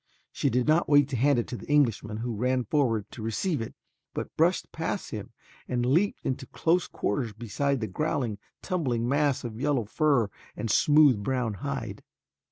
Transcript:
She did not wait to hand it to the Englishman who ran forward to receive it, but brushed past him and leaped into close quarters beside the growling, tumbling mass of yellow fur and smooth brown hide.